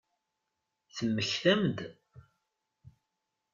Temmektam-d?